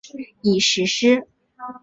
已实施。